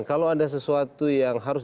kalau ada sesuatu yang harus